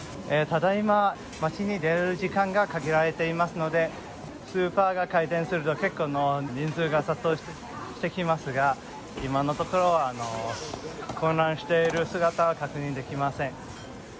ただいま、町に出られる時間が限られていますので、スーパーが開店すると、結構な人数が殺到してきますが、今のところ、混乱している姿は確認できません。